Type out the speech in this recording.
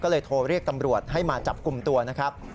ก็เลยโทรเรียกตำรวจให้มาจับกลุ่มตัวนะครับ